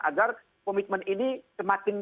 agar komitmen ini semakin